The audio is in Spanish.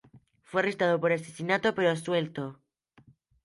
Fue arrestado por asesinato, pero absuelto.